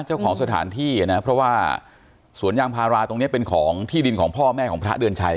เจ้าของสถานที่นะเพราะว่าสวนยางพาราตรงนี้เป็นของที่ดินของพ่อแม่ของพระเดือนชัย